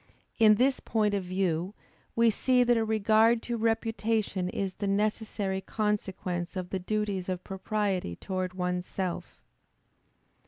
In this point of view, we see that a regard to reputation is the necessary consequence of the duties of propriety toward one's self.